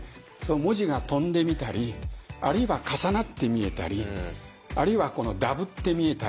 文字が飛んでみたりあるいは重なって見えたりあるいはこのダブって見えたり。